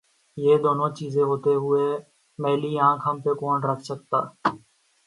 یہ دونوں چیزیں ہوتے ہوئے میلی آنکھ ہم پہ کون رکھ سکتاہے؟